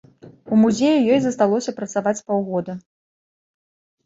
У музеі ёй засталося працаваць паўгода.